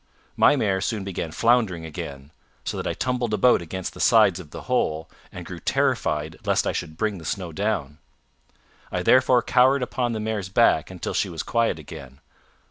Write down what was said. My mare soon began floundering again, so that I tumbled about against the sides of the hole, and grew terrified lest I should bring the snow down. I therefore cowered upon the mare's back until she was quiet again.